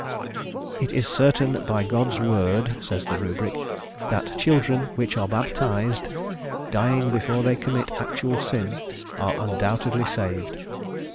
"It is certain by God's Word," says the Rubric, "that children which are baptized, dying before they commit actual sin, are undoubtedly saved."